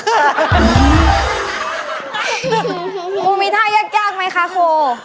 กูมีท่ายากมั้ยคะครู